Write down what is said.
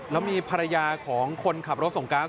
แล้วมีภรรยาของคนขับรถส่งก๊าซ